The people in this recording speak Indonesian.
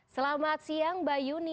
selamat siang mbak yuni